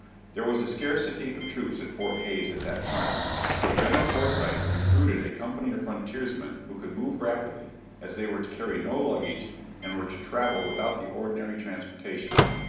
There was a scarcity of troops at Fort Hays at that time, so General Forsyth recruited a company of frontiersmen who could move rapidly, as they were to carry no luggage, and were to travel without the ordinary transportation.